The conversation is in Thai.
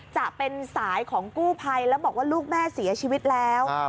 จะเป็นสายของกู้ภัยแล้วบอกว่าลูกแม่เสียชีวิตแล้ว